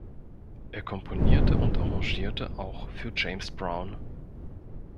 Er komponierte und arrangierte auch für James Brown.